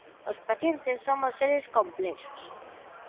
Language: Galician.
Os pacientes somos seres complexos.